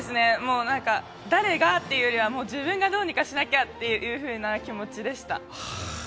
誰がというよりは自分がどうにかしなきゃという気持ちでした。